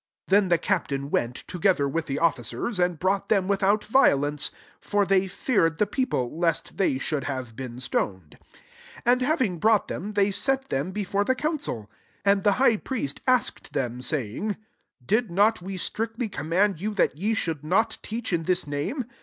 26 Then the captain went, together with the officers, and brought them without violence: for they feared the people, lest they should have been stoned. 27 And having brought them, they set them before the coun cil. And the high priest asked them, 28 saying, Did [not] we sti^ictly command you that ye should not teach in this name?